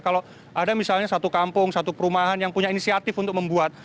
kalau ada misalnya satu kampung satu perumahan yang punya inisiatif untuk membuat